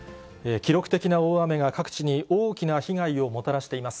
記録的な大雨が各地に大きな被害をもたらしています。